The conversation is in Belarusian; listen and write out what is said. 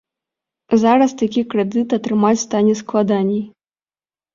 Зараз такі крэдыт атрымаць стане складаней.